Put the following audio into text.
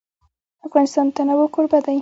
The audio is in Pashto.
افغانستان د تنوع کوربه دی.